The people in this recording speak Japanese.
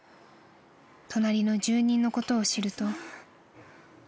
［隣の住人のことを知ると］